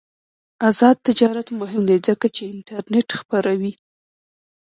آزاد تجارت مهم دی ځکه چې انټرنیټ خپروي.